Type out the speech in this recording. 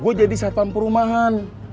gua jadi satpam perumahan